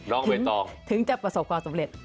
น้องใบตองถึงจะประสบความสำเร็จ